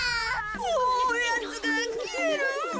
おやつがきえる。